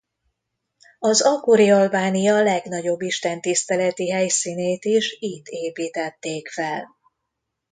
Az akkori Albánia legnagyobb istentiszteleti helyszínét is itt építették fel.